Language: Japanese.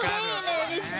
うれしい。